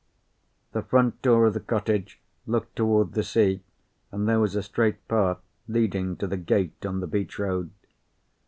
The front door of the cottage looked toward the sea, and there was a straight path leading to the gate on the beach road.